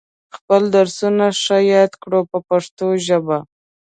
خپل درسونه ښه یاد کړو په پښتو ژبه.